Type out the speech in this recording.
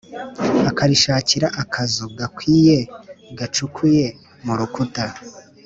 Akarishakira akazu gakwiye gacukuye mu rukuta,